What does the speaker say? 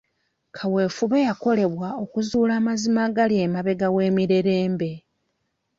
Kaweefube yakolebwa okuzuula amazima agali emabega w'emirerembe.